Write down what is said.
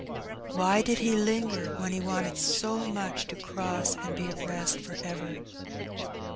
Why did he linger, when he wanted so much to cross and be at rest for ever?